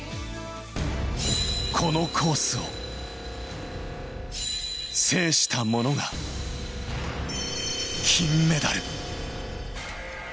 このコースを制したものが、金メダル。